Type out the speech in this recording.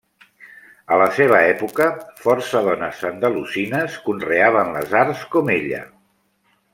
A la seva època, força dones andalusines conreaven les arts com ella.